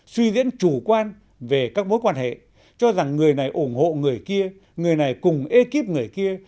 suy diễn chủ quan về các mối quan hệ cho rằng người này ủng hộ người kia người này cùng ekip người kia